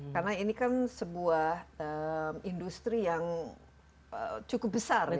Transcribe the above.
karena ini kan sebuah industri yang cukup besar ya